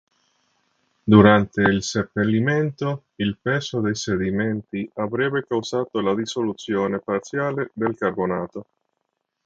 Durante il seppellimento, il peso dei sedimenti avrebbe causato la dissoluzione parziale del carbonato.